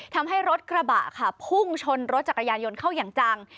ทำให้รถกระบะค่ะพุ่งชนรถจักรยานยนต์เข้าอย่างจัง